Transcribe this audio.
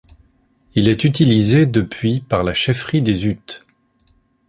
Il est utilisé depuis par la chefferie des Utes.